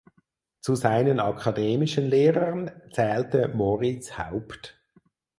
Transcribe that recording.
Zu seinen akademischen Lehrern zählte Moriz Haupt.